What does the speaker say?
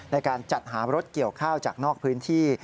ในการจัดหารถเกี่ยวข้าวจากนอกพื้นที่